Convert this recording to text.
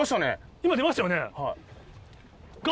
今出ましたよね？